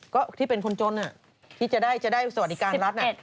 ก็ที่เป็นคนจนที่จะได้สวัสดิการรัฐ